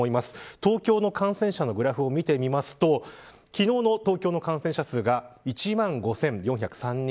東京の感染者数のグラフを見てみると昨日の東京の感染者数が１万５４０３人。